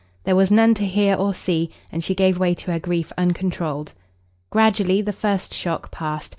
There was none to hear or see, and she gave way to her grief uncontrolled. Gradually the first shock passed.